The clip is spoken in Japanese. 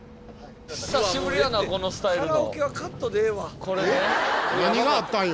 久しぶりやなこのスタイルの。